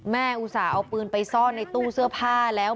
อุตส่าห์เอาปืนไปซ่อนในตู้เสื้อผ้าแล้ว